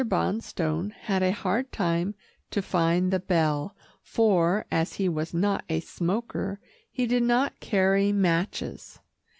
Bonstone had a hard time to find the bell, for, as he was not a smoker, he did not carry matches.